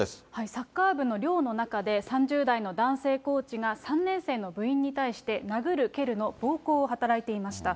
サッカー部の寮の中で３０代の男性コーチが３年生の部員に対して、殴る、蹴るの暴行を働いていました。